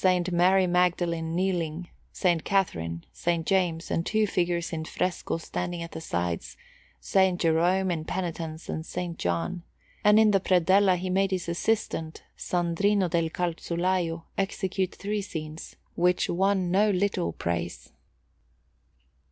Mary Magdalene kneeling, S. Catherine, S. James, and two figures in fresco standing at the sides, S. Jerome in Penitence and S. John; and in the predella he made his assistant, Sandrino del Calzolaio, execute three scenes, which won no little praise.